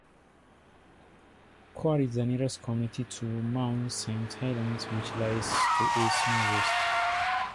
Cougar is the nearest community to Mount Saint Helens, which lies to its northeast.